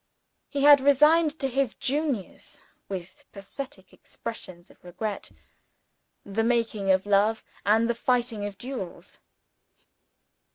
He had resigned to his juniors, with pathetic expressions of regret, the making of love and the fighting of duels.